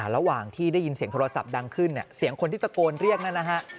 ระหว่างที่ได้ยินเสียงโทรศัพท์ดังขึ้นเสียงคนที่ตะโกนเรียกนั่นนะฮะ